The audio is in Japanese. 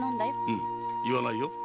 うん言わないよ。